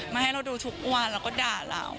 มาให้เราดูทุกวันแล้วก็ด่าเรา